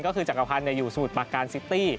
ก็คือจักรพันธ์อยู่สมุทรปาการซิตี้